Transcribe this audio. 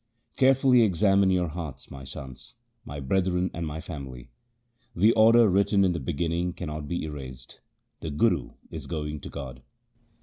' Carefully examine your hearts, my sons, my brethren, and my family. ' The order written in the beginning cannot be erased ; the Guru is going to God.'